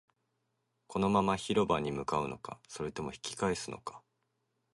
このまま広場に向かうのか、それとも引き返すのか